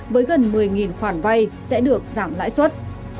với gần một mươi khoản vay sẽ được giảm lãi suất